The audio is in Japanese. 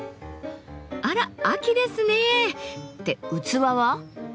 あら秋ですねって器は？